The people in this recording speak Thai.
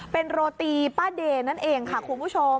เป็นโรตีป้าเดย์นั่นเองค่ะคุณผู้ชม